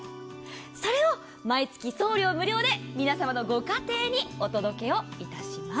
それを毎月送料無料で皆様のご家庭にお届けをいたします。